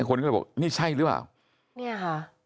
นี่คนก็จะบอกนี่ใช่หรือเปล่านี่ค่ะ